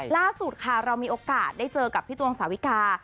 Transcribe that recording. ล่าสุดค่ะเรามีโอกาสได้เจอกับพี่ตวงสาวิกา